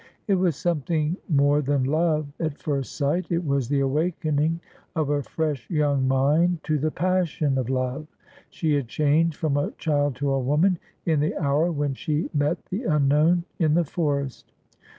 It was something more than love at first sight. It was the awakening of a fresh young mind to the passion of love. She had changed from a child to a woman, in the hour when she met the unknown in the forest.